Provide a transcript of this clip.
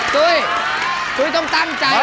ตุ้ยตุ้ยต้องตั้งใจ